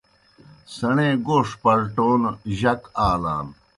سیْݨے گوݜ پلٹون جک آلان۔